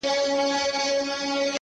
• وبېرېدم ـ